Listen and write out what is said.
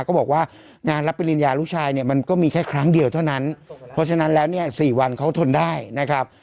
ก็บอกว่างานรับปริญญาลูกชายเนี่ยมันก็มีแค่ครั้งเดียวเท่านั้นเพราะฉะนั้นแล้วเนี่ยสี่วันเขาทนได้นะครับ